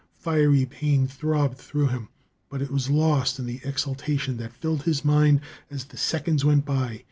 Fiery pain throbbed through him, but it was lost in the exultation that filled his mind as the seconds went by.